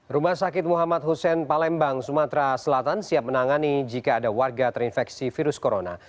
rumah sakit muhammad hussein palembang sumatera selatan siap menangani jika ada warga terinfeksi virus corona